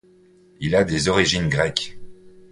Il a des origines grecques.